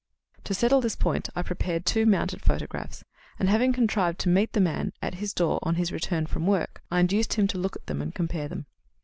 To settle this point, I prepared two mounted photographs, and having contrived to meet the man at his door on his return from work, I induced him to look at them and compare them.